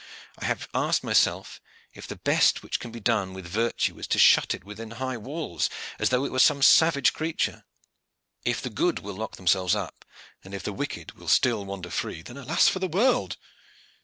I have asked myself if the best which can be done with virtue is to shut it within high walls as though it were some savage creature. If the good will lock themselves up, and if the wicked will still wander free, then alas for the world!"